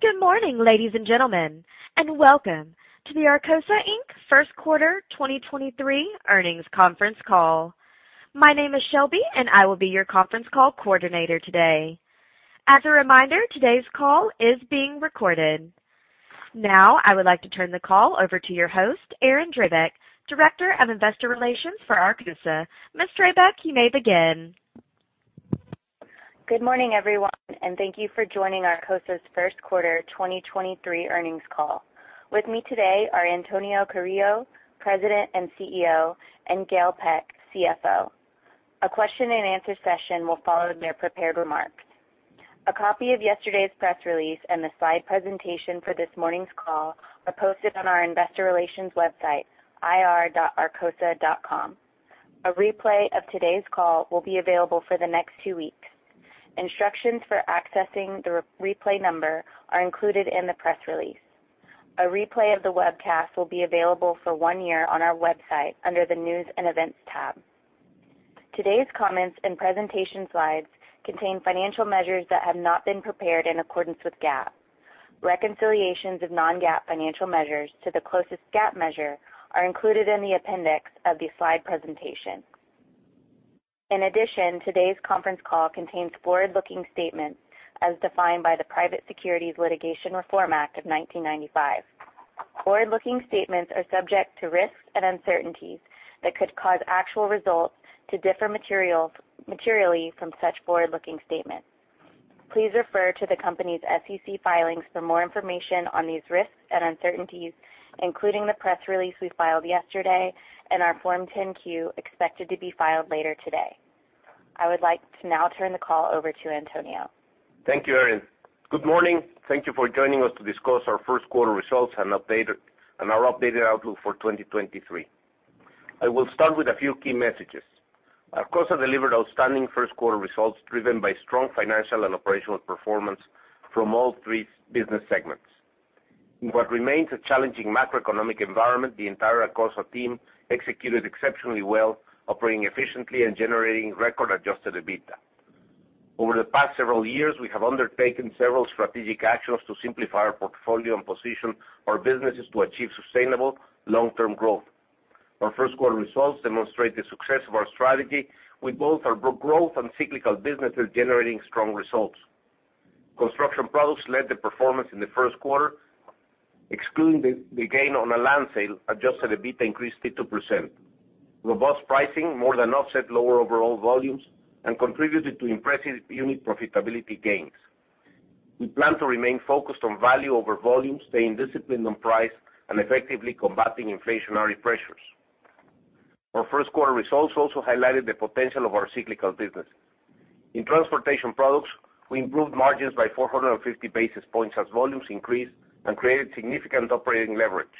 Good morning, ladies and gentlemen, and welcome to the Arcosa, Inc. first quarter 2023 earnings conference call. My name is Shelby, and I will be your conference call coordinator today. As a reminder, today's call is being recorded. Now, I would like to turn the call over to your host, Erin Drabek, Director of Investor Relations for Arcosa. Ms. Drabek, you may begin. Good morning, everyone, and thank you for joining Arcosa's first quarter 2023 earnings call. With me today are Antonio Carrillo, President and CEO, and Gail Peck, CFO. A question-and-answer session will follow their prepared remarks. A copy of yesterday's press release and the slide presentation for this morning's call are posted on our investor relations website, ir.arcosa.com. A replay of today's call will be available for the next two weeks. Instructions for accessing the re-replay number are included in the press release. A replay of the webcast will be available for one year on our website under the News and Events tab. Today's comments and presentation slides contain financial measures that have not been prepared in accordance with GAAP. Reconciliations of non-GAAP financial measures to the closest GAAP measure are included in the appendix of the slide presentation. In addition, today's conference call contains forward-looking statements as defined by the Private Securities Litigation Reform Act of 1995. Forward-looking statements are subject to risks and uncertainties that could cause actual results to differ materially from such forward-looking statements. Please refer to the company's SEC filings for more information on these risks and uncertainties, including the press release we filed yesterday and our Form 10-Q, expected to be filed later today. I would like to now turn the call over to Antonio. Thank you, Erin. Good morning. Thank you for joining us to discuss our first quarter results and our updated outlook for 2023. I will start with a few key messages. Arcosa delivered outstanding first quarter results, driven by strong financial and operational performance from all three business segments. In what remains a challenging macroeconomic environment, the entire Arcosa team executed exceptionally well, operating efficiently and generating record Adjusted EBITDA. Over the past several years, we have undertaken several strategic actions to simplify our portfolio and position our businesses to achieve sustainable long-term growth. Our first quarter results demonstrate the success of our strategy, with both our growth and cyclical businesses generating strong results. Construction products led the performance in the first quarter. Excluding the gain on a land sale, Adjusted EBITDA increased to 32%. Robust pricing more than offset lower overall volumes and contributed to impressive unit profitability gains. We plan to remain focused on value over volume, staying disciplined on price, and effectively combating inflationary pressures. Our first quarter results also highlighted the potential of our cyclical business. In transportation products, we improved margins by 450 basis points as volumes increased and created significant operating leverage.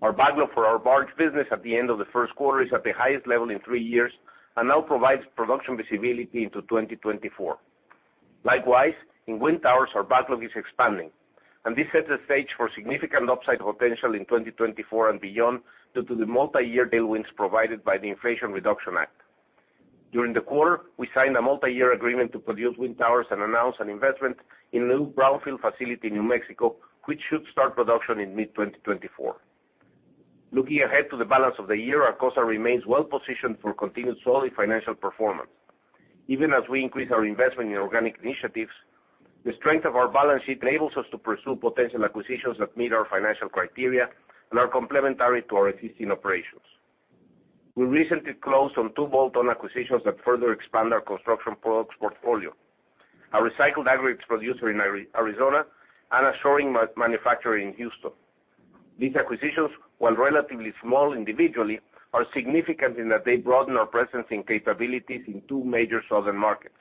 Our backlog for our barge business at the end of the first quarter is at the highest level in three years and now provides production visibility into 2024. Likewise, wind towers, our backlog is expanding, and this sets the stage for significant upside potential in 2024 and beyond, due to the multiyear tailwinds provided by the Inflation Reduction Act. During the quarter, we signed a multiyear agreement to wind towers and announced an investment in a new brownfield facility in New Mexico, which should start production in mid-2024. Looking ahead to the balance of the year, Arcosa remains well positioned for continued solid financial performance. Even as we increase our investment in organic initiatives, the strength of our balance sheet enables us to pursue potential acquisitions that meet our financial criteria and are complementary to our existing operations. We recently closed on two bolt-on acquisitions that further expand our construction products portfolio, a recycled aggregates producer in Arizona and a shoring manufacturer in Houston. These acquisitions, while relatively small individually, are significant in that they broaden our presence and capabilities in two major southern markets.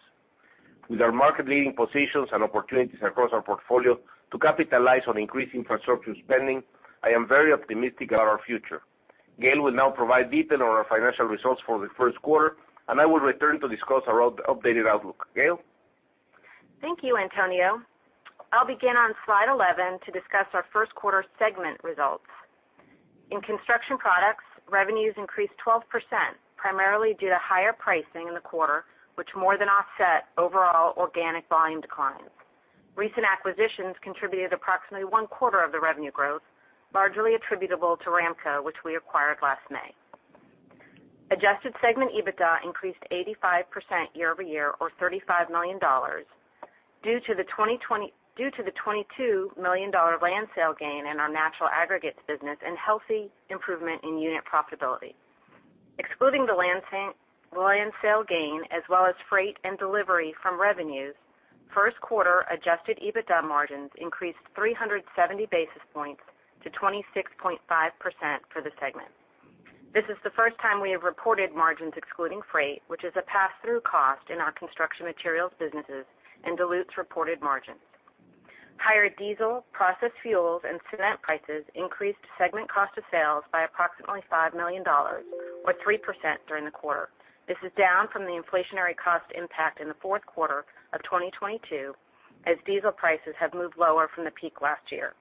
With our market-leading positions and opportunities across our portfolio to capitalize on increased infrastructure spending, I am very optimistic about our future. Gail will now provide detail on our financial results for the first quarter. I will return to discuss our updated outlook. Gail? Thank you, Antonio. I'll begin on slide 11 to discuss our first quarter segment results. In construction products, revenues increased 12%, primarily due to higher pricing in the quarter, which more than offset overall organic volume declines. Recent acquisitions contributed approximately one quarter of the revenue growth, largely attributable to RAMCO, which we acquired last May. Adjusted segment EBITDA increased 85% year-over-year, or $35 million, due to the 22 million land sale gain in our natural aggregates business and healthy improvement in unit profitability. Excluding the land sale gain, as well as freight and delivery from revenues, first quarter Adjusted EBITDA margins increased 370 basis points to 26.5% for the segment. This is the first time we have reported margins excluding freight, which is a pass-through cost in our construction materials businesses and dilutes reported margins. Higher diesel, processed fuels, and cement prices increased segment cost of sales by approximately $5 million or 3% during the quarter. This is down from the inflationary cost impact in the fourth quarter of 2022, as diesel prices have moved lower from the peak last year.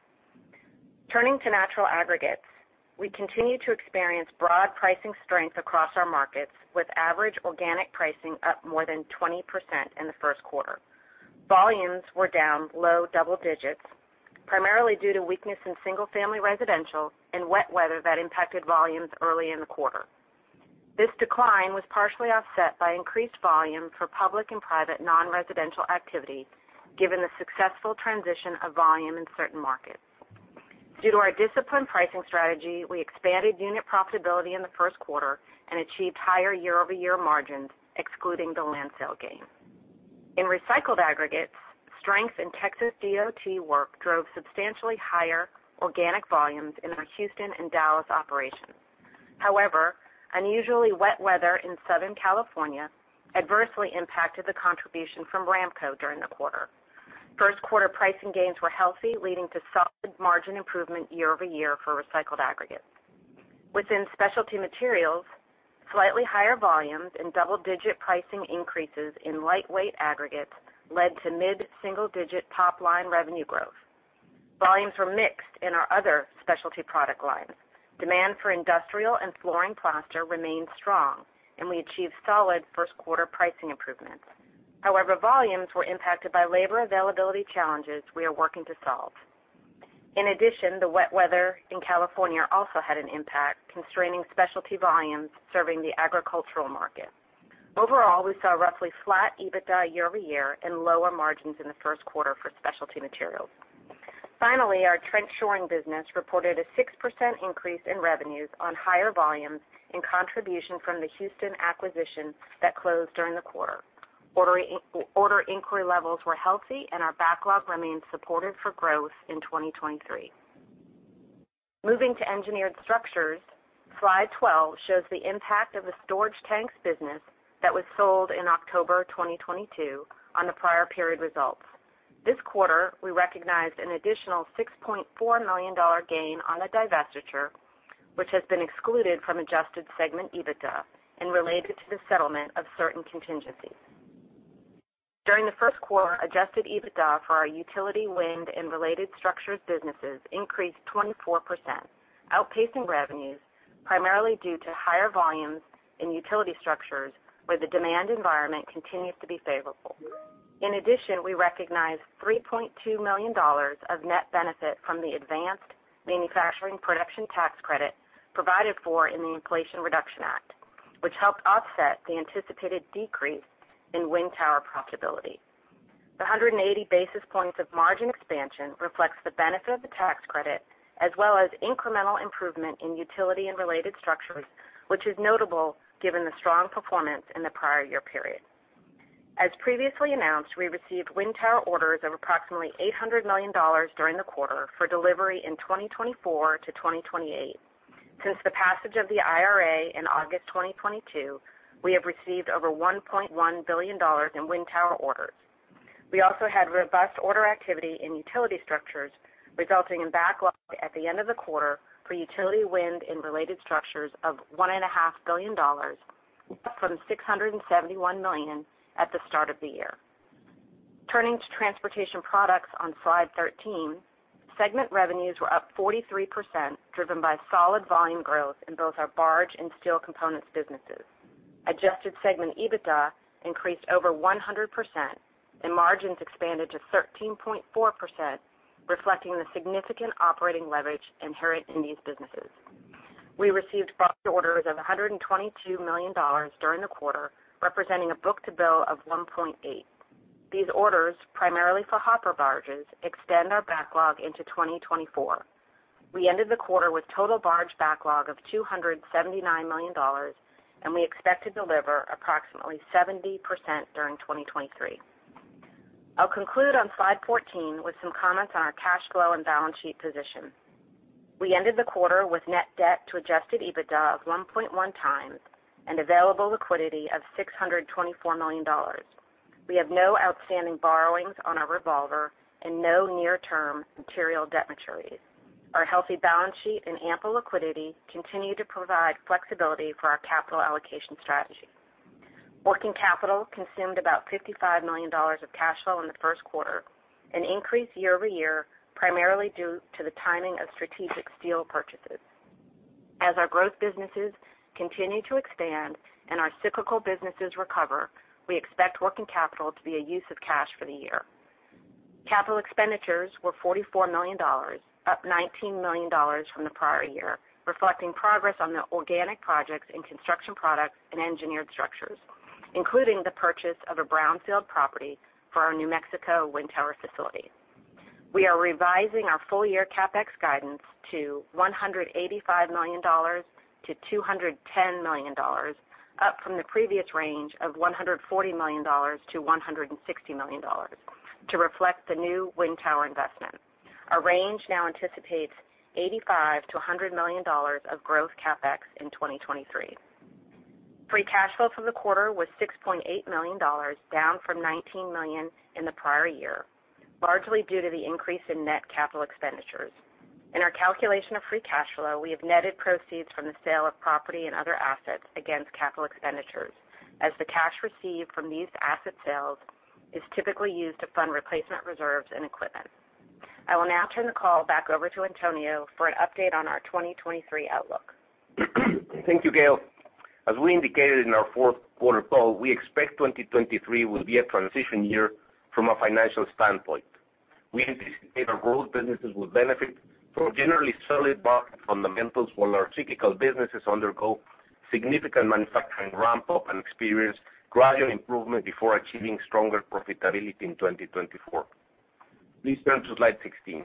Turning to natural aggregates, we continue to experience broad pricing strength across our markets, with average organic pricing up more than 20% in the first quarter. Volumes were down low double digits, primarily due to weakness in single-family residential and wet weather that impacted volumes early in the quarter. This decline was partially offset by increased volume for public and private non-residential activity, given the successful transition of volume in certain markets. Due to our disciplined pricing strategy, we expanded unit profitability in the first quarter and achieved higher year-over-year margins, excluding the land sale gain. In recycled aggregates, strength in Texas DOT work drove substantially higher organic volumes in our Houston and Dallas operations. However, unusually wet weather in Southern California adversely impacted the contribution from RAMCO during the quarter. First quarter pricing gains were healthy, leading to solid margin improvement year-over-year for recycled aggregates. Within specialty materials, slightly higher volumes and double-digit pricing increases in lightweight aggregates led to mid-single-digit top-line revenue growth. Volumes were mixed in our other specialty product lines. Demand for industrial and flooring plaster remained strong, and we achieved solid first quarter pricing improvements. However, volumes were impacted by labor availability challenges we are working to solve. In addition, the wet weather in California also had an impact, constraining specialty volumes serving the agricultural market. Overall, we saw roughly flat EBITDA year-over-year and lower margins in the first quarter for specialty materials. Finally, our trench shoring business reported a 6% increase in revenues on higher volumes and contribution from the Houston acquisition that closed during the quarter. Order inquiry levels were healthy, and our backlog remains supported for growth in 2023. Moving to engineered structures, slide 12 shows the impact of the storage tanks business that was sold in October 2022 on the prior period results. This quarter, we recognized an additional $6.4 million gain on the divestiture, which has been excluded from adjusted segment EBITDA and related to the settlement of certain contingencies. During the first quarter, Adjusted EBITDA for our utility, wind, and related structures businesses increased 24%, outpacing revenues, primarily due to higher volumes in utility structures, where the demand environment continues to be favorable. We recognized $3.2 million of net benefit from the Advanced Manufacturing Production Credit provided for in the Inflation Reduction Act, which helped offset the anticipated decrease in wind towers profitability. The 180 basis points of margin expansion reflects the benefit of the tax credit as well as incremental improvement in utility and related structures, which is notable given the strong performance in the prior year period. As previously announced, we received wind towers orders of approximately $800 million during the quarter for delivery in 2024 to 2028. Since the passage of the IRA in August 2022, we have received over $1.1 billion in wind towers orders. We also had robust order activity in utility structures, resulting in backlog at the end of the quarter for utility wind and related structures of $1.5 billion, up from $671 million at the start of the year. Turning to transportation products on slide 13, segment revenues were up 43%, driven by solid volume growth in both our barge and steel components businesses. Adjusted segment EBITDA increased over 100%, and margins expanded to 13.4%, reflecting the significant operating leverage inherent in these businesses. We received barge orders of $122 million during the quarter, representing a book-to-bill of 1.8. These orders, primarily for hopper barges, extend our backlog into 2024. We ended the quarter with total barge backlog of $279 million, and we expect to deliver approximately 70% during 2023. I'll conclude on slide 14 with some comments on our cash flow and balance sheet position. We ended the quarter with net debt to Adjusted EBITDA of 1.1x and available liquidity of $624 million. We have no outstanding borrowings on our revolver and no near-term material debt maturities. Our healthy balance sheet and ample liquidity continue to provide flexibility for our capital allocation strategy. Working capital consumed about $55 million of cash flow in the first quarter, an increase year-over-year, primarily due to the timing of strategic steel purchases. As our growth businesses continue to expand and our cyclical businesses recover, we expect working capital to be a use of cash for the year. Capital expenditures were $44 million, up $19 million from the prior year, reflecting progress on the organic projects in construction products and engineered structures, including the purchase of a brownfield property for our New Mexico wind towers facility. We are revising our full year CapEx guidance to $185 million-$210 million, up from the previous range of $140 million-$160 million, to reflect the new wind towers investment. Our range now anticipates $85 million-$100 million of growth CapEx in 2023. Free cash flow from the quarter was $6.8 million, down from $19 million in the prior year, largely due to the increase in net CapEx. In our calculation of free cash flow, we have netted proceeds from the sale of property and other assets against CapEx. As the cash received from these asset sales is typically used to fund replacement reserves and equipment. I will now turn the call back over to Antonio for an update on our 2023 outlook. Thank you, Gail. As we indicated in our fourth quarter call, we expect 2023 will be a transition year from a financial standpoint. We anticipate our growth businesses will benefit from generally solid market fundamentals while our cyclical businesses undergo significant manufacturing ramp up and experience gradual improvement before achieving stronger profitability in 2024. Please turn to slide 16.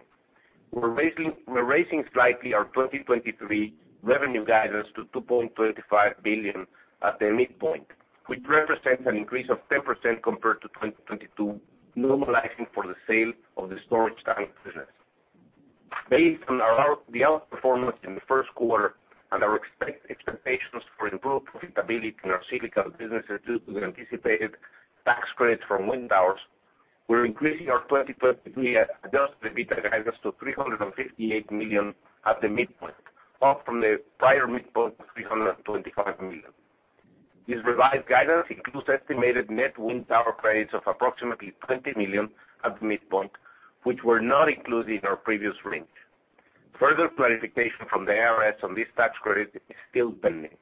We're raising slightly our 2023 revenue guidance to $2.25 billion at the midpoint, which represents an increase of 10% compared to 2022, normalizing for the sale of the storage tank business. Based on our the outperformance in the first quarter and our expectations for improved profitability in our cyclical businesses due to the anticipated tax credits wind towers, we're increasing our 2023 Adjusted EBITDA guidance to $358 million at the midpoint, up from the prior midpoint of $325 million. This revised guidance includes estimated wind towers credits of approximately $20 million at the midpoint, which were not included in our previous range. Further clarification from the IRS on this tax credit is still pending.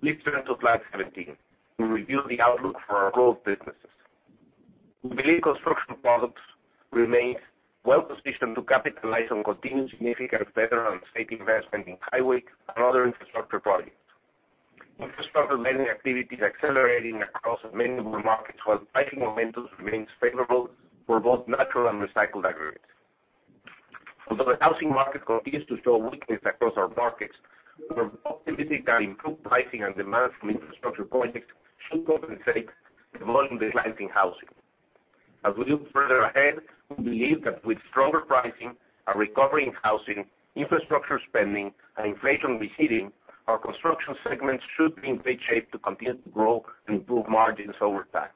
Please turn to slide 17 to review the outlook for our growth businesses. We believe Construction Products remains well positioned to capitalize on continued significant federal and state investment in highway and other infrastructure projects. Infrastructure lending activity is accelerating across multiple markets while pricing momentum remains favorable for both natural and recycled aggregates. Although the housing market continues to show weakness across our markets, we are optimistic that improved pricing and demand from infrastructure projects should compensate the volume declining housing. As we look further ahead, we believe that with stronger pricing, a recovery in housing, infrastructure spending, and inflation receding, our construction segment should be in good shape to continue to grow and improve margins over time.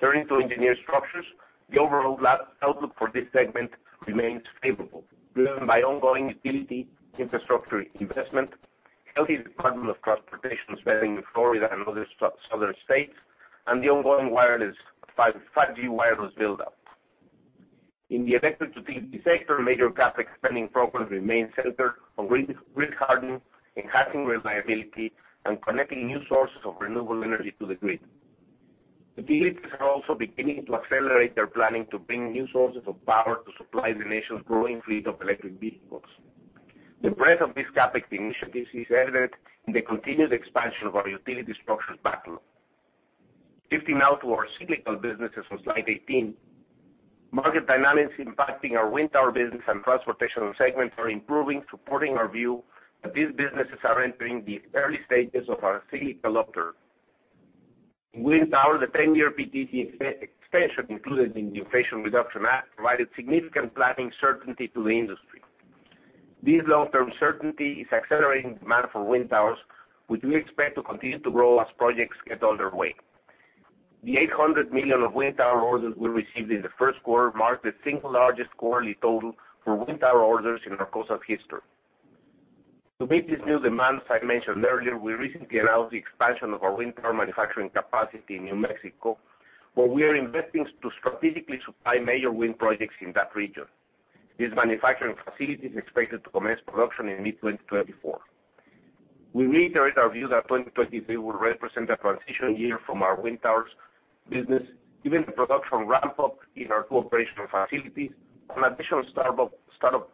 Turning to Engineered Structures, the overall outlook for this segment remains favorable, driven by ongoing utility infrastructure investment, healthy Department of Transportation spending in Florida and other southern states, and the ongoing wireless 5G wireless build out. In the electric utility sector, major CapEx spending programs remain centered on grid hardening, enhancing reliability, and connecting new sources of renewable energy to the grid. Utilities are also beginning to accelerate their planning to bring new sources of power to supply the nation's growing fleet of electric vehicles. The breadth of these CapEx initiatives is evident in the continued expansion of our utility structures backlog. Shifting now to our cyclical businesses on slide 18. Market dynamics impacting our wind towers business and transportation segments are improving, supporting our view that these businesses are entering the early stages of our cyclical upturn. In wind towers, the 10-year PTC extension included in the Inflation Reduction Act provided significant planning certainty to the industry. This long-term certainty is accelerating demand wind towers, which we expect to continue to grow as projects get underway. The $800 million of wind towers orders we received in the first quarter marked the single largest quarterly total for wind towers orders in Arcosa's history. To meet this new demand, as I mentioned earlier, we recently announced the expansion of our wind towers manufacturing capacity in New Mexico, where we are investing to strategically supply major wind projects in that region. This manufacturing facility is expected to commence production in mid-2024. We reiterate our view that 2023 will represent a transition year from wind towers business, given the production ramp up in our two operational facilities and additional startup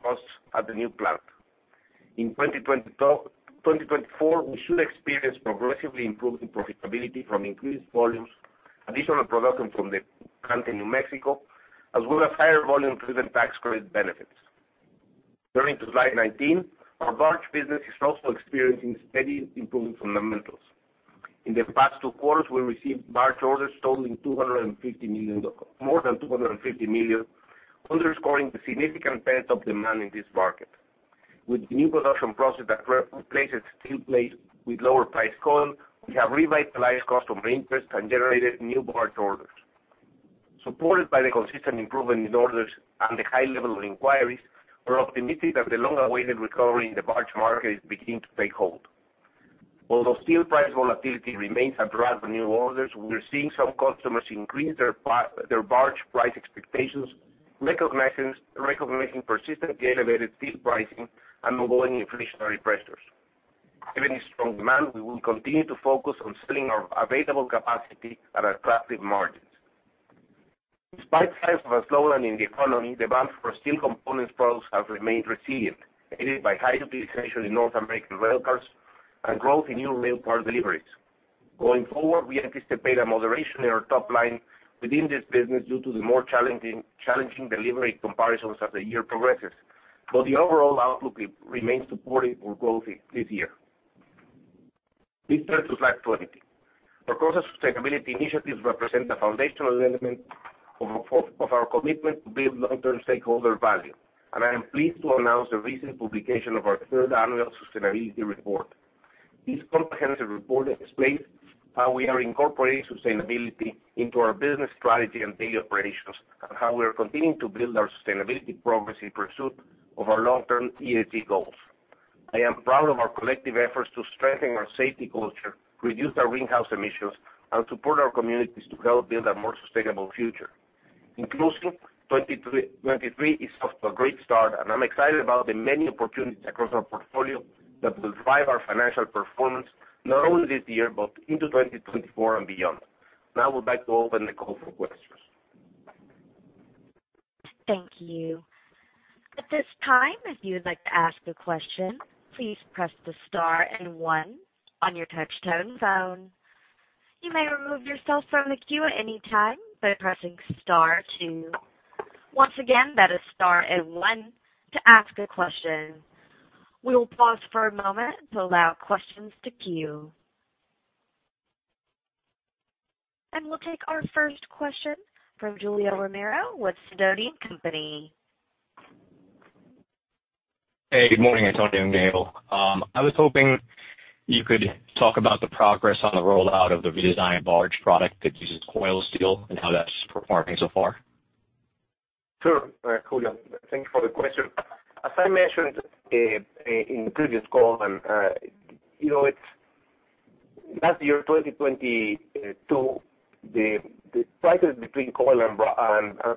costs at the new plant. In 2024, we should experience progressively improving profitability from increased volumes, additional production from the plant in New Mexico, as well as higher volume-driven tax credit benefits. Turning to slide 19. Our barge business is also experiencing steady improving fundamentals. In the past two quarters, we received barge orders totaling more than $250 million, underscoring the significant pent-up demand in this market. With new production processes that replace steel plates with lower priced coil, we have revitalized customer interest and generated new barge orders. Supported by the consistent improvement in orders and the high level of inquiries, we're optimistic that the long-awaited recovery in the barge market is beginning to take hold. Although steel price volatility remains a drag on new orders, we're seeing some customers increase their barge price expectations, recognizing persistently elevated steel pricing and ongoing inflationary pressures. Given this strong demand, we will continue to focus on selling our available capacity at attractive margins. Despite signs of a slowdown in the economy, demand for steel components products has remained resilient, aided by high utilization in North American railcars and growth in new railcar deliveries. Going forward, we anticipate a moderation in our top line within this business due to the more challenging delivery comparisons as the year progresses. The overall outlook remains supportive for growth this year. Please turn to slide 20. Arcosa's sustainability initiatives represent the foundational element of our commitment to build long-term stakeholder value. I am pleased to announce the recent publication of our third annual sustainability report. This comprehensive report explains how we are incorporating sustainability into our business strategy and daily operations, how we are continuing to build our sustainability progress in pursuit of our long-term ESG goals. I am proud of our collective efforts to strengthen our safety culture, reduce our greenhouse emissions, and support our communities to help build a more sustainable future. In closing, 2023 is off to a great start, I'm excited about the many opportunities across our portfolio that will drive our financial performance, not only this year but into 2024 and beyond. Now I would like to open the call for questions. Thank you. At this time, if you would like to ask a question, please press the star and 1 on your touch-tone phone. You may remove yourself from the queue at any time by pressing star 2. Once again, that is star and 1 to ask a question. We will pause for a moment to allow questions to queue. We'll take our first question from Julio Romero with Sidoti & Company. Hey, good morning, Antonio and Gail. I was hoping you could talk about the progress on the rollout of the redesigned barge product that uses coil steel and how that's performing so far? Sure, Julio, thank you for the question. As I mentioned in previous call, you know, it's last year, 2022, the prices between coil and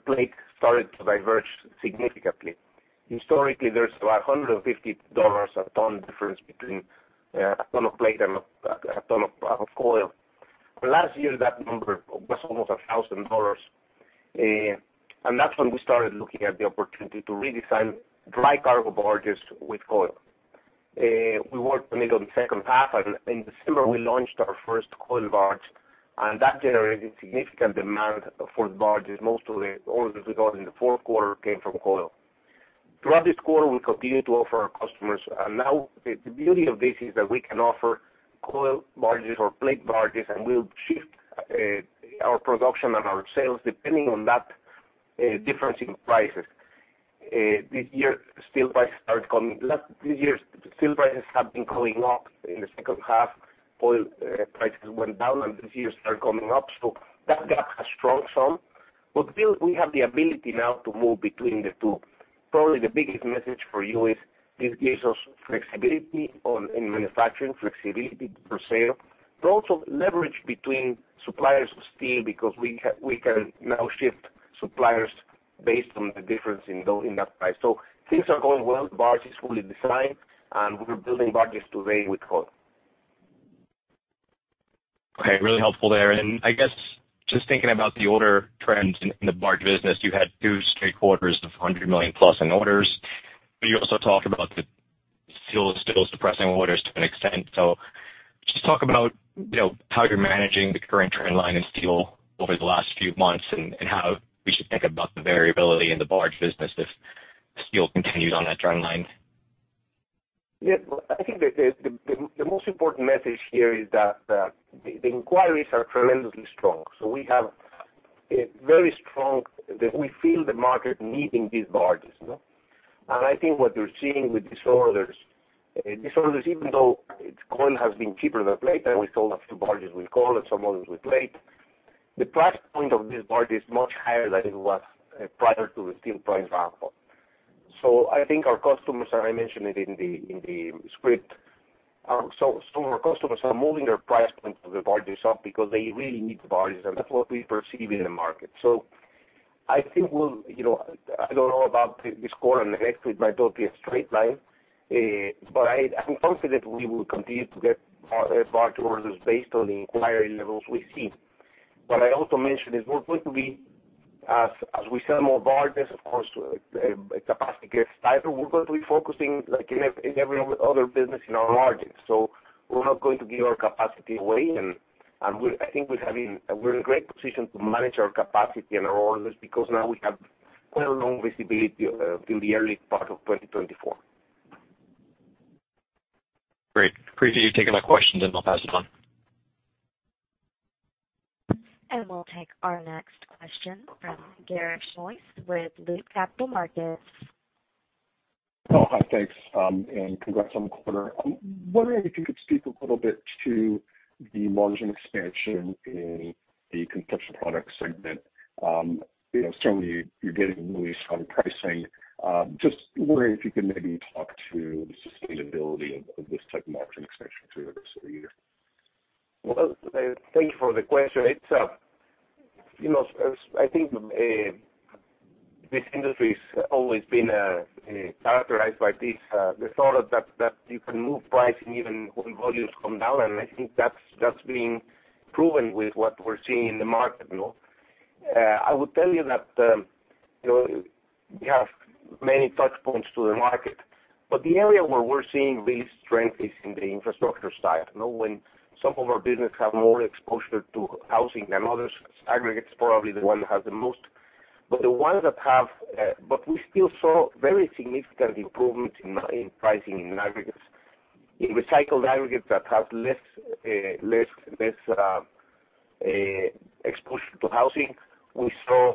plate started to diverge significantly. Historically, there's a $150 a ton difference between a ton of plate and a ton of coil. Last year, that number was almost $1,000. That's when we started looking at the opportunity to redesign dry cargo barges with coil. We worked in the second half, in December, we launched our first coil barge, that generated significant demand for the barges. Most of the orders we got in the fourth quarter came from coil. Throughout this quarter, we continued to offer our customers, and now the beauty of this is that we can offer coil barges or plate barges, and we'll shift our production and our sales depending on that difference in prices. This year, steel prices have been going up. In the second half, oil prices went down. This year started coming up. That gap has shrunk some. Still, we have the ability now to move between the two. Probably the biggest message for you is this gives us flexibility on, in manufacturing, flexibility for sale, but also leverage between suppliers of steel because we can now shift suppliers based on the difference in that price. Things are going well. The barge is fully designed, and we're building barges today with coil. Okay, really helpful there. I guess just thinking about the order trends in the barge business, you had two straight quarters of $100 million+ in orders, You also talked about the steel suppressing orders to an extent. Just talk about, you know, how you're managing the current trend line in steel over the last few months and how we should think about the variability in the barge business if steel continues on that trend line. Yeah. Well, I think the most important message here is that the inquiries are tremendously strong. We feel the market needing these barges, you know? I think what you're seeing with these orders, even though coil has been cheaper than plate, and we sold a few barges with coil and some others with plate. The price point of this barge is much higher than it was prior to the steel price ramp up. I think our customers, I mentioned it in the script, our customers are moving their price point of the barges up because they really need the barges, and that's what we perceive in the market. I think we'll, you know, I don't know about this quarter and the next, it might not be a straight line. I'm confident we will continue to get barge orders based on the inquiry levels we've seen. What I also mentioned is we're going to be, as we sell more barges, of course, capacity gets tighter. We're going to be focusing like in every other business in our margins. We're not going to give our capacity away. I think we're in great position to manage our capacity and our orders because now we have quite a long visibility, till the early part of 2024. Great. Appreciate you taking my questions. I'll pass it on. We'll take our next question from Garik Shmois with Loop Capital Markets. Hi. Thanks, and congrats on the quarter. I'm wondering if you could speak a little bit to the margin expansion in the construction products segment. You know, certainly you're getting release on pricing. Just wondering if you could maybe talk to the sustainability of this type of margin expansion through the rest of the year. Well, thank you for the question. It's, you know, I think this industry's always been characterized by this, the thought of that you can move pricing even when volumes come down. I think that's been proven with what we're seeing in the market, you know? I would tell you that, you know, we have many touch points to the market, but the area where we're seeing really strength is in the infrastructure side. You know, when some of our business have more exposure to housing than others, aggregates probably the one that has the most. We still saw very significant improvement in pricing in aggregates. In recycled aggregates that have less exposure to housing, we saw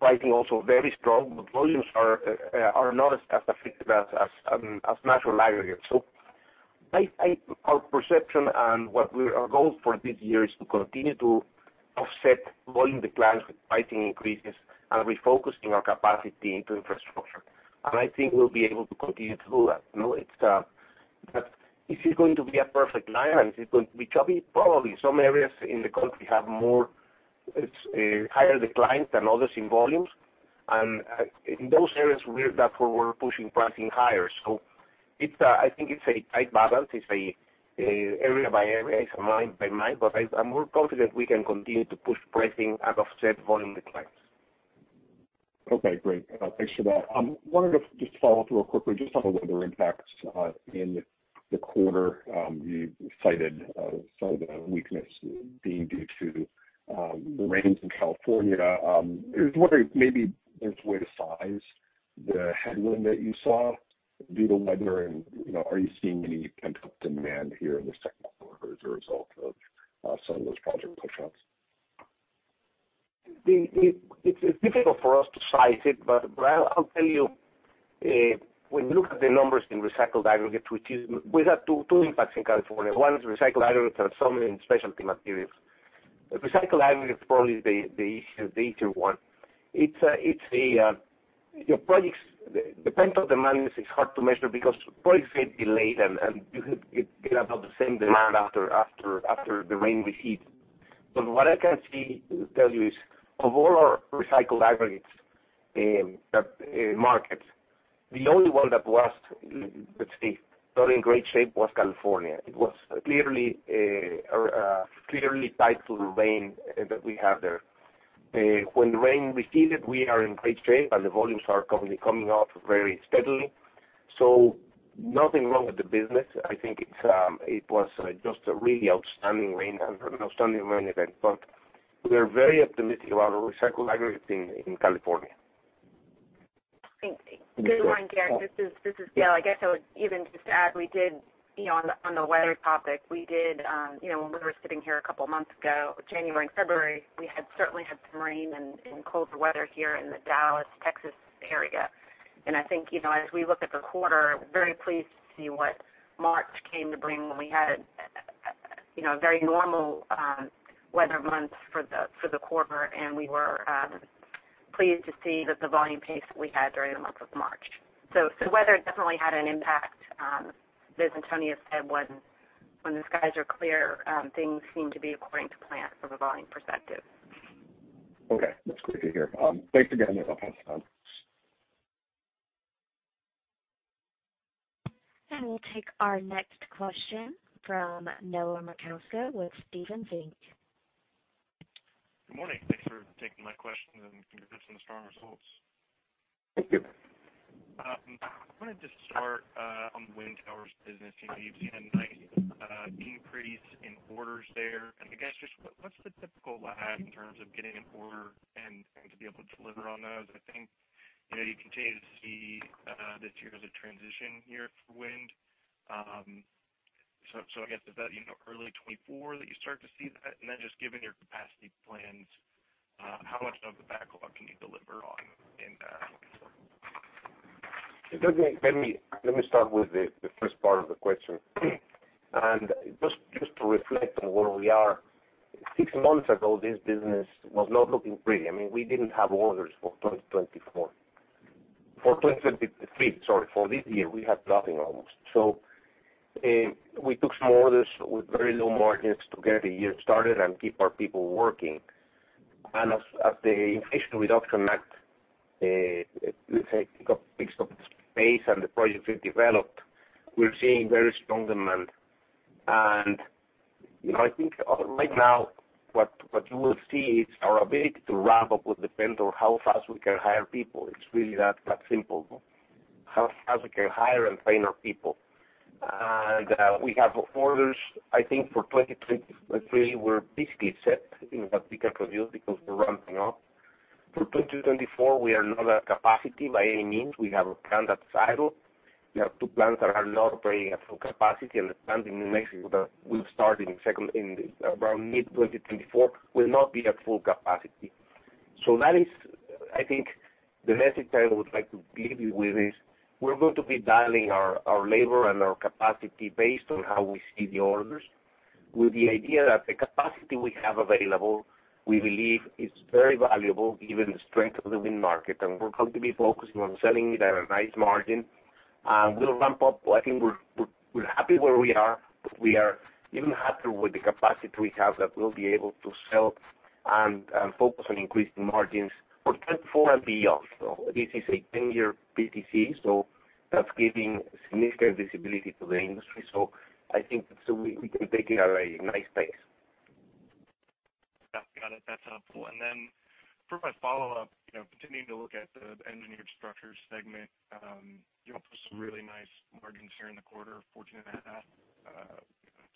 pricing also very strong, but volumes are not as affected as natural aggregates. Our perception and what we our goal for this year is to continue to offset volume declines with pricing increases and refocusing our capacity into infrastructure. I think we'll be able to continue to do that. It's that is it going to be a perfect line and is it going to be choppy? Probably. Some areas in the country have more higher declines than others in volumes. In those areas, that's where we're pushing pricing higher. It's I think it's a tight balance. It's a area by area, it's a mine by mine, but I'm more confident we can continue to push pricing and offset volume declines. Okay, great. Thanks for that. Wanted to just follow up real quickly just on the weather impacts in the quarter. You cited some of the weakness being due to the rains in California. I was wondering if maybe there's a way to size the headwind that you saw due to weather and, you know, are you seeing any pent-up demand here in the second quarter as a result of some of those project pushouts? It's difficult for us to size it, but I'll tell you, when you look at the numbers in recycled aggregates, which is, we have two impacts in California. One is recycled aggregates and some in specialty materials. Recycled aggregates probably is the issue, the easier one. It's the, your projects, the pent-up demand is hard to measure because projects get delayed and you could get about the same demand after the rain recedes. What I can tell you is of all our recycled aggregates, that market, the only one that was, let's say, not in great shape was California. It was clearly tied to the rain that we had there. When the rain receded, we are in great shape, and the volumes are coming off very steadily. Nothing wrong with the business. I think it's, it was just a really outstanding rain and an outstanding rain event. We are very optimistic about our recycled aggregates in California. Thanks. Good morning, Garik. This is Gail. I guess I would even just add, we did, you know, on the, on the weather topic, we did, you know, when we were sitting here a couple of months ago, January and February, we had certainly had some rain and colder weather here in the Dallas, Texas, area. I think, you know, as we look at the quarter, very pleased to see what March came to bring when we had, you know, a very normal weather month for the, for the quarter. We were pleased to see that the volume pace that we had during the month of March. Weather definitely had an impact. As Antonio said, when the skies are clear, things seem to be according to plan from a volume perspective. Okay. That's great to hear. Thanks again. I'll pass it on. We'll take our next question from Noah Merkousko with Stephens Inc. Good morning. Thanks for taking my question and congrats on the strong results. Thank you. Wanted to start on wind towers business. You know, you've seen a nice increase in orders there. I guess just what's the typical lag in terms of getting an order and to be able to deliver on those? I think, you know, you continue to see this year as a transition year for wind. I guess is that, you know, early 2024 that you start to see that? Just given your capacity plans, how much of the backlog can you deliver on in 2024? Let me start with the first part of the question. Just to reflect on where we are, 6 months ago, this business was not looking pretty. I mean, we didn't have orders for 2024. For 2023, sorry, for this year, we had nothing almost. We took some orders with very low margins to get the year started and keep our people working. As the Inflation Reduction Act, let's say, got picked up pace and the projects were developed, we're seeing very strong demand. You know, I think right now what you will see is our ability to ramp up will depend on how fast we can hire people. It's really that simple. How fast we can hire and train our people. We have orders, I think, for 2023, we're basically set in what we can produce because we're ramping up. For 2024, we are not at capacity by any means. We have a plant that's idle. We have two plants that are not operating at full capacity, and the plant in New Mexico that will start in around mid-2024 will not be at full capacity. That is, I think the message I would like to leave you with is, we're going to be dialing our labor and our capacity based on how we see the orders, with the idea that the capacity we have available, we believe is very valuable given the strength of the wind market. We're going to be focusing on selling it at a nice margin. We'll ramp up. I think we're happy where we are. We are even happier with the capacity we have that we'll be able to sell and focus on increasing margins for 24 and beyond. This is a 10-year PTC. That's giving significant visibility to the industry. I think so we can take it at a nice pace. Yeah. Got it. That's helpful. You know, continuing to look at the Engineered Structures Segment, you offered some really nice margins here in the quarter, 14.5%,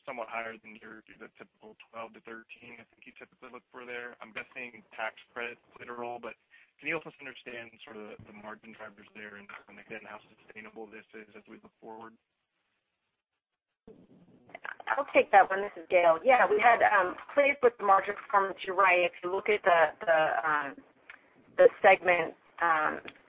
somewhat higher than your typical 12%-13%, I think you typically look for there. I'm guessing tax credits played a role, but can you help us understand sort of the margin drivers there and again, how sustainable this is as we look forward? I'll take that one. This is Gail. Yeah, we had pleased with the margin performance. You're right. If you look at the segment,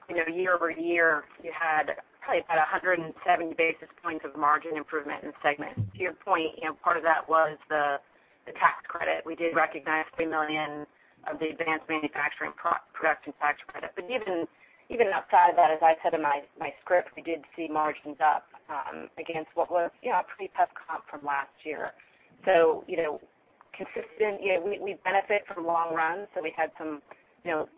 you know, year-over-year, you had probably about 170 basis points of margin improvement in segment. To your point, you know, part of that was the tax credit. We did recognize $3 million of the Advanced Manufacturing Production Credit. Even outside of that, as I said in my script, we did see margins up, against what was, you know, a pretty tough comp from last year. You know, consistent, you know, we benefit from long runs, so we had some, you know,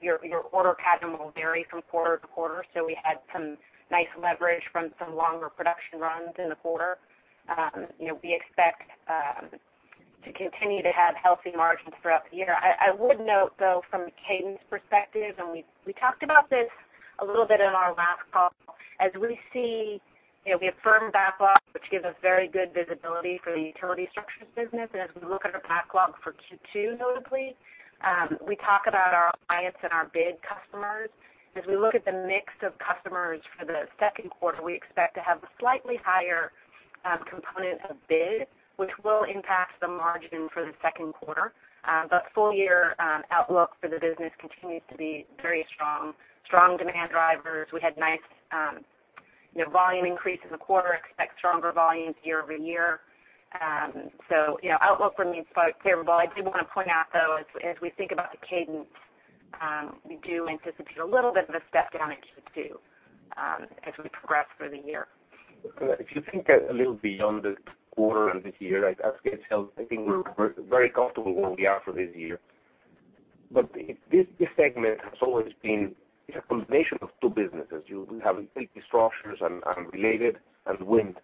your order pattern will vary from quarter-to-quarter, so we had some nice leverage from some longer production runs in the quarter. We expect to continue to have healthy margins throughout the year. I would note, though, from a cadence perspective, and we talked about this a little bit in our last call, as we see, we have firm backlog, which gives us very good visibility for the utility structures business. As we look at our backlog for Q2, notably, we talk about our clients and our bid customers. As we look at the mix of customers for the second quarter, we expect to have a slightly higher component of bid, which will impact the margin for the second quarter. Full year outlook for the business continues to be very strong. Strong demand drivers. We had nice volume increase in the quarter, expect stronger volumes year-over-year. You know, outlook remains favorable. I do wanna point out, though, as we think about the cadence, we do anticipate a little bit of a step down in Q2, as we progress through the year. If you think a little beyond the quarter and the year, as Gail said, I think we're very comfortable where we are for this year. This segment has always been a combination of two businesses. You have utility structures and related and wind.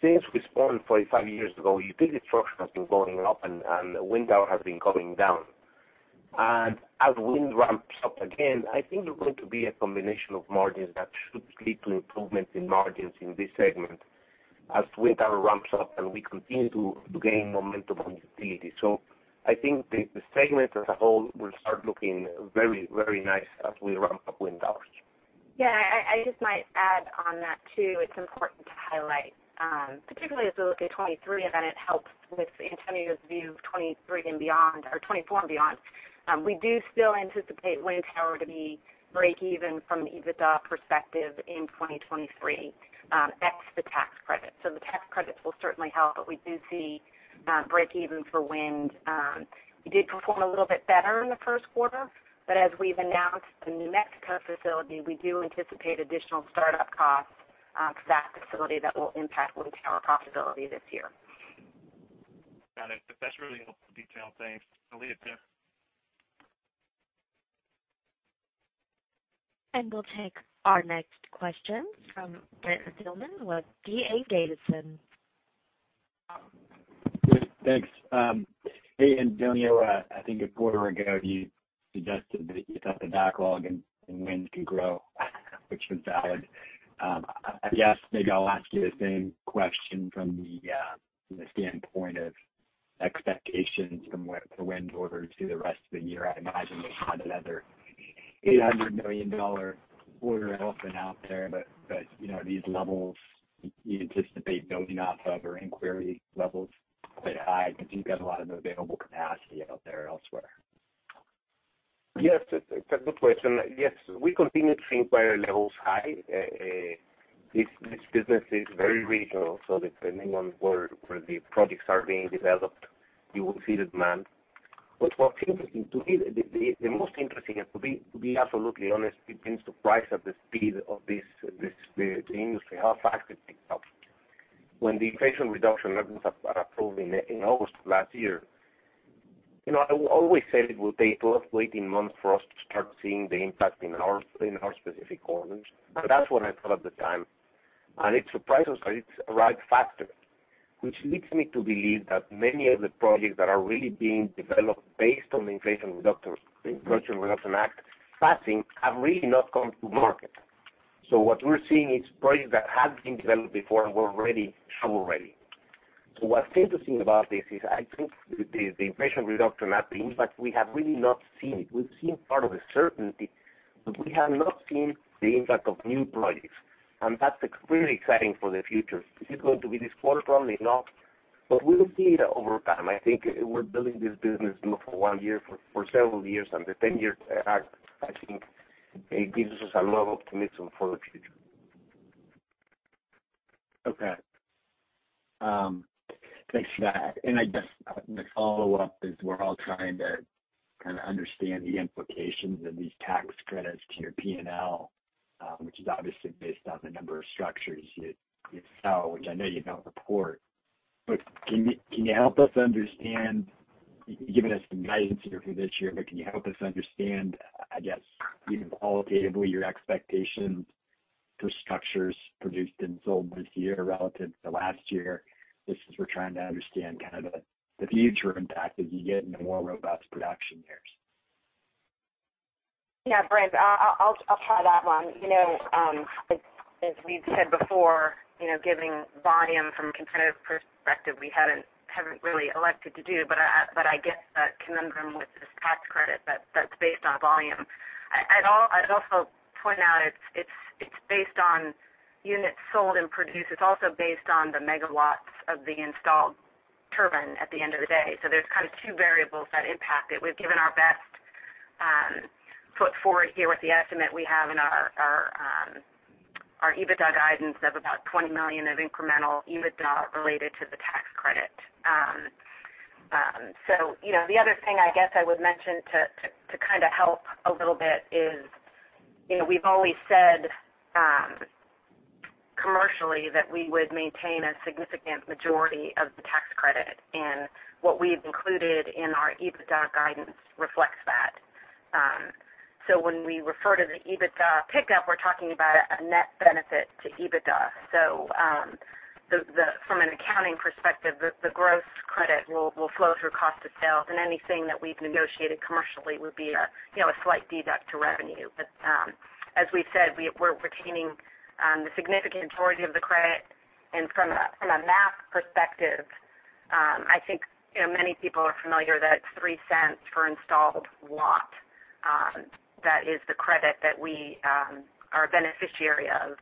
Since we spun 45 years ago, utility structure has been going up and wind towers has been going down. As wind ramps up again, I think we're going to be a combination of margins that should lead to improvement in margins in this segment as wind towers ramps up, and we continue to gain momentum on utility. I think the segment as a whole will start looking very, very nice as we ramp up wind towers. Yeah, I just might add on that, too. It's important to highlight, particularly as we look at 2023, and then it helps with Antonio's view of 2023 and beyond, or 2024 and beyond. We do still anticipate wind towers to be break even from an EBITDA perspective in 2023, ex the tax credit. The tax credits will certainly help, but we do see break even for wind. We did perform a little bit better in the first quarter, but as we've announced the New Mexico facility, we do anticipate additional startup costs for that facility that will impact wind towers profitability this year. Got it. That's really helpful detail. Thanks. Leah, Tim. We'll take our next question from Brent Thielman with D.A. Davidson. Thanks. Hey, Antonio. I think a quarter ago, you suggested that you thought the backlog and wind can grow, which was valid. I guess maybe I'll ask you the same question from the, from the standpoint of expectations from the wind orders through the rest of the year. I imagine you had another $800 million order open out there, but, you know, these levels you anticipate building off of or inquiry levels quite high, but you've got a lot of available capacity out there elsewhere. Yes, it's a good question. Yes, we continue to see inquiry levels high. This business is very regional, so depending on where the projects are being developed, you will see demand. What's interesting to me, the most interesting, and to be absolutely honest, it's been surprised at the speed of this industry, how fast it picks up. When the inflation reduction levels are approved in August last year, you know, I always said it will take 12-18 months for us to start seeing the impact in our, in our specific orders. That's what I thought at the time. It surprised us that it's arrived faster, which leads me to believe that many of the projects that are really being developed based on the Inflation Reduction Act passing, have really not come to market. What we're seeing is projects that have been developed before and were ready, shovel ready. What's interesting about this is I think the Inflation Reduction Act, the impact, we have really not seen it. We've seen part of the certainty, but we have not seen the impact of new projects, and that's extremely exciting for the future. Is it going to be this quarter? Probably not, but we will see it over time. I think we're building this business not for one year, for several years. The ten-year act, I think it gives us a lot of optimism for the future. Okay. Thanks for that. I guess the follow-up is we're all trying to kinda understand the implications of these tax credits to your P&L, which is obviously based on the number of structures you sell, which I know you don't report. Can you help us understand, you've given us some guidance here for this year, but can you help us understand, I guess, even qualitatively, your expectations for structures produced and sold this year relative to last year? Just as we're trying to understand kind of the future impact as you get into more robust production years. Yeah, Brent, I'll try that one. You know, as we've said before, you know, giving volume from a competitive perspective, we haven't really elected to do, but I get that conundrum with this tax credit that's based on volume. I'd also point out it's based on units sold and produced. It's also based on the megawatts of the installed turbine at the end of the day. There's kind of two variables that impact it. We've given our best foot forward here with the estimate we have in our EBITDA guidance of about $20 million of incremental EBITDA related to the tax credit. You know, the other thing I guess I would mention to, to kinda help a little bit is, you know, we've always said, commercially that we would maintain a significant majority of the tax credit, and what we've included in our EBITDA guidance reflects that. When we refer to the EBITDA pickup, we're talking about a net benefit to EBITDA. From an accounting perspective, the gross credit will flow through cost of sales, and anything that we've negotiated commercially would be a, you know, a slight deduct to revenue. As we've said, we're retaining the significant majority of the credit. From a math perspective, I think, you know, many people are familiar that it's $0.03 per installed watt, that is the credit that we are a beneficiary of.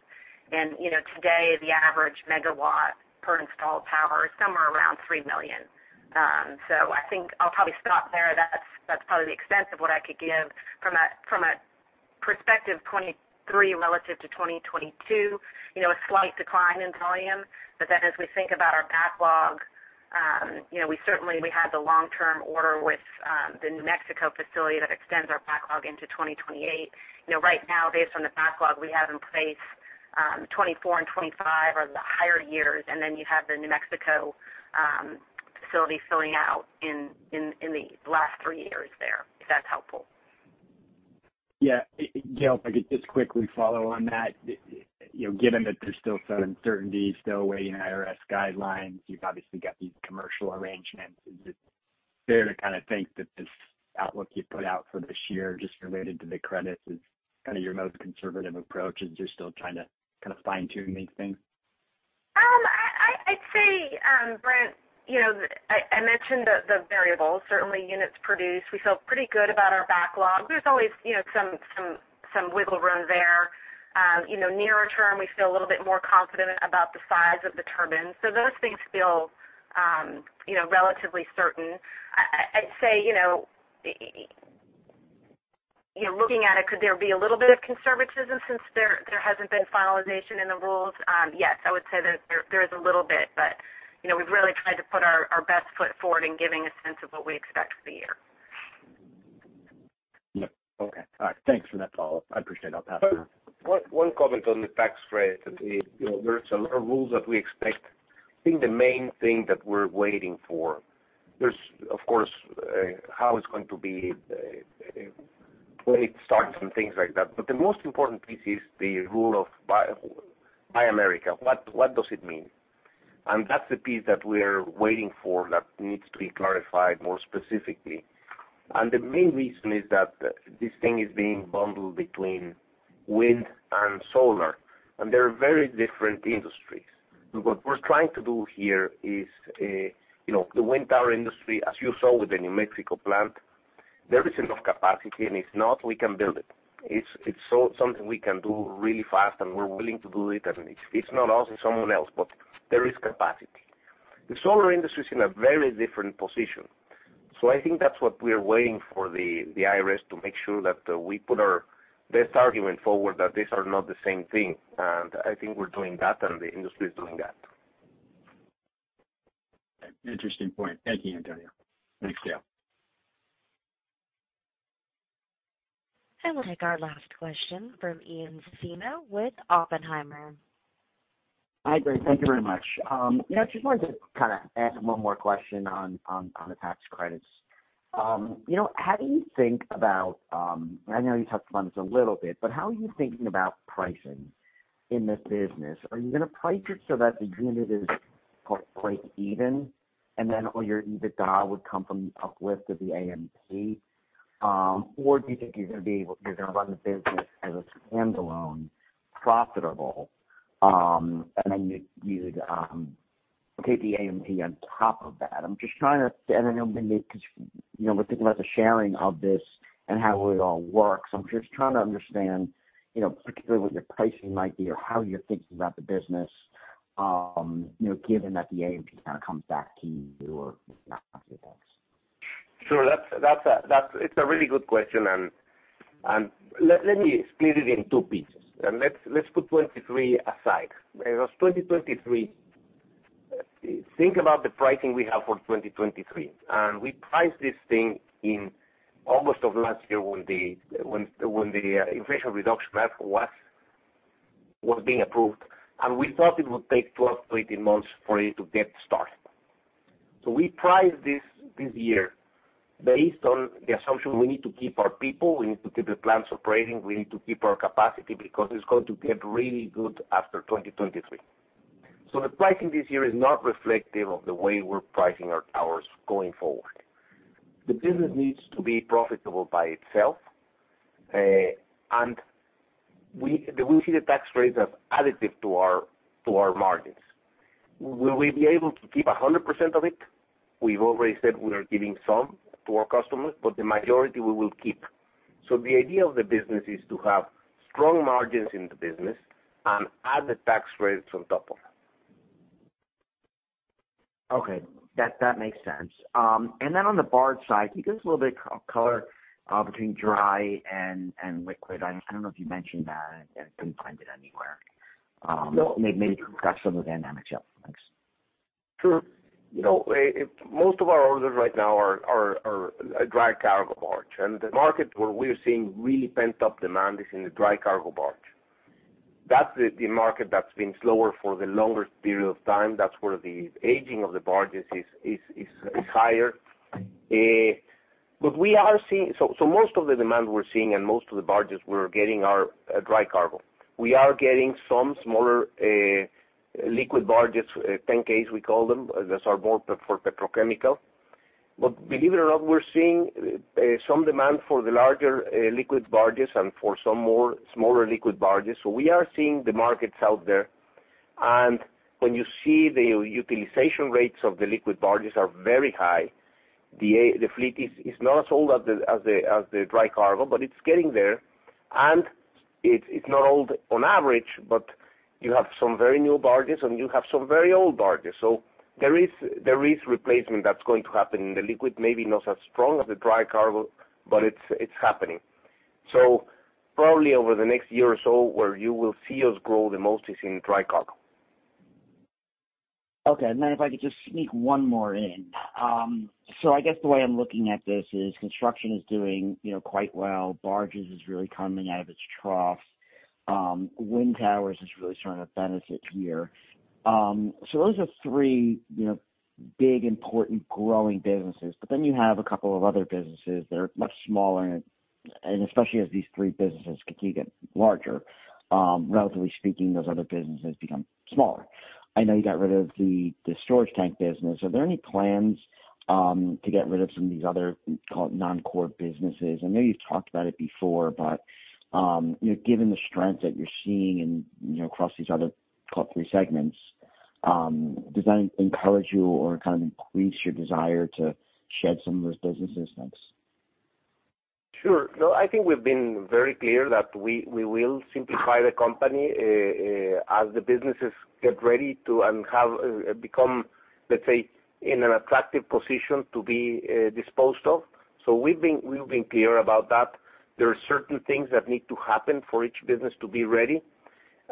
You know, today, the average megawatt per installed tower is somewhere around $3 million. I think I'll probably stop there. That's probably the extent of what I could give from a perspective 2023 relative to 2022. You know, a slight decline in volume, as we think about our backlog, you know, we certainly, we have the long-term order with the New Mexico facility that extends our backlog into 2028. You know, right now, based on the backlog we have in place, 2024 and 2025 are the higher years, and then you have the New Mexico facility filling out in the last three years there, if that's helpful. Yeah. Gail, if I could just quickly follow on that. You know, given that there's still some uncertainty still awaiting IRS guidelines, you've obviously got these commercial arrangements, is it fair to kinda think that this outlook you put out for this year just related to the credits is kinda your most conservative approach as you're still trying to kinda fine-tune these things? I'd say, Brent, you know, I mentioned the variables, certainly units produced. We feel pretty good about our backlog. There's always, you know, some wiggle room there. You know, nearer term, we feel a little bit more confident about the size of the turbines. Those things feel, you know, relatively certain. I'd say, you know, You know, looking at it, could there be a little bit of conservatism since there hasn't been finalization in the rules? Yes, I would say that there is a little bit, but, you know, we've really tried to put our best foot forward in giving a sense of what we expect for the year. Yeah. Okay. All right. Thanks for that follow-up. I appreciate it. I'll pass it on. One comment on the tax credit. You know, there are some rules that we expect. I think the main thing that we're waiting for, there's of course, how it's going to be, when it starts and things like that. The most important piece is the rule of Buy America. What does it mean? That's the piece that we're waiting for that needs to be clarified more specifically. The main reason is that this thing is being bundled between wind and solar, and they're very different industries. What we're trying to do here is, you know, the wind towers industry, as you saw with the New Mexico plant, there is enough capacity, and it's not we can build it. It's so something we can do really fast, and we're willing to do it. If it's not us, it's someone else. There is capacity. The solar industry is in a very different position. I think that's what we are waiting for the IRS to make sure that we put our best argument forward that these are not the same thing. I think we're doing that and the industry is doing that. Interesting point. Thank you, Antonio. Thanks, Gail. We'll take our last question from Ian Zaffino with Oppenheimer. Hi, great. Thank you very much. Yeah, just wanted to kind of ask one more question on the tax credits. You know, how do you think about, I know you touched upon this a little bit, but how are you thinking about pricing in this business? Are you gonna price it so that the unit is called break even, and then all your EBITDA would come from the uplift of the AMP? Or do you think you're gonna run the business as a standalone profitable, and then you'd take the AMP on top of that? I'm just trying to... I know maybe because, you know, we're thinking about the sharing of this and how it all works. I'm just trying to understand, you know, particularly what your pricing might be or how you're thinking about the business, you know, given that the AMP kinda comes back to you or not to you guys. Sure. It's a really good question, and let me split it in two pieces, and let's put 2023 aside. You know, 2023, think about the pricing we have for 2023. We priced this thing in August of last year when the Inflation Reduction Act was being approved, and we thought it would take 12 to 18 months for it to get started. We priced this year based on the assumption we need to keep our people, we need to keep the plants operating, we need to keep our capacity because it's going to get really good after 2023. The pricing this year is not reflective of the way we're pricing our towers going forward. The business needs to be profitable by itself, We see the tax rates as additive to our margins. Will we be able to keep 100% of it? We've already said we are giving some to our customers, but the majority we will keep. The idea of the business is to have strong margins in the business and add the tax rates on top of that. Okay, that makes sense. On the barge side, can you give us a little bit of color between dry and liquid? I don't know if you mentioned that. I couldn't find it anywhere. Maybe you can touch on it again. Thanks. Sure. You know, most of our orders right now are dry cargo barge. The market where we're seeing really pent-up demand is in the dry cargo barge. That's the market that's been slower for the longer period of time. That's where the aging of the barges is higher. We are seeing most of the demand we're seeing and most of the barges we're getting are dry cargo. We are getting some smaller liquid barges, 10Ks, we call them. That's our board for petrochemical. Believe it or not, we're seeing some demand for the larger liquid barges and for some more smaller liquid barges. We are seeing the markets out there. When you see the utilization rates of the liquid barges are very high, the fleet is not as old as the dry cargo, but it's getting there. It's not old on average, but you have some very new barges, and you have some very old barges. There is replacement that's going to happen in the liquid, maybe not as strong as the dry cargo, but it's happening. Probably over the next year or so, where you will see us grow the most is in dry cargo. Okay. If I could just sneak one more in. I guess the way I'm looking at this is construction is doing, you know, quite well. Barges is really coming out of its wind towers is really starting to benefit here. Those are three, you know, big, important growing businesses. You have a couple of other businesses that are much smaller, and especially as these three businesses continue to get larger, relatively speaking, those other businesses become smaller. I know you got rid of the storage tank business. Are there any plans to get rid of some of these other non-core businesses? I know you've talked about it before, but, you know, given the strength that you're seeing and, you know, across these other core three segments, does that encourage you or kind of increase your desire to shed some of those businesses? Thanks. Sure. No, I think we've been very clear that we will simplify the company as the businesses get ready to and have become, let's say, in an attractive position to be disposed of. We've been clear about that. There are certain things that need to happen for each business to be ready.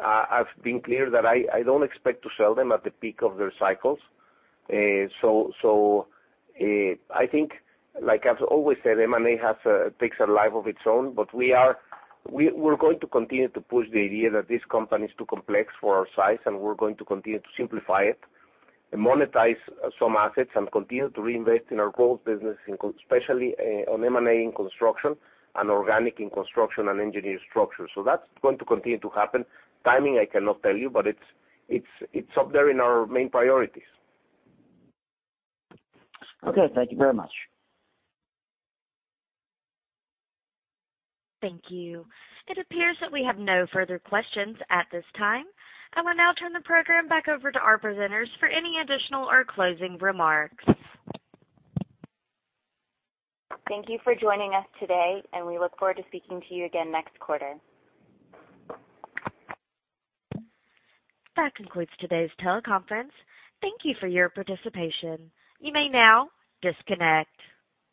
I've been clear that I don't expect to sell them at the peak of their cycles. I think, like I've always said, M&A takes a life of its own. We're going to continue to push the idea that this company is too complex for our size, and we're going to continue to simplify it and monetize some assets and continue to reinvest in our growth business, especially on M&A in construction and organic in construction and engineering structure. That's going to continue to happen. Timing, I cannot tell you, but it's up there in our main priorities. Okay. Thank you very much. Thank you. It appears that we have no further questions at this time. I will now turn the program back over to our presenters for any additional or closing remarks. Thank you for joining us today, and we look forward to speaking to you again next quarter. That concludes today's teleconference. Thank you for your participation. You may now disconnect.